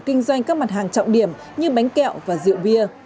kinh doanh các mặt hàng trọng điểm như bánh kẹo và rượu bia